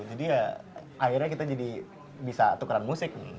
jadi ya akhirnya kita jadi bisa tukeran musik